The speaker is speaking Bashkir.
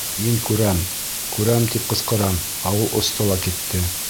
Мин күрәм, күрәм тип ҡысҡырам, ә ул осто ла китте...